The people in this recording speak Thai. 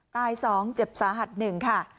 ตายสองเจ็บสาหัสหนึ่งค่ะ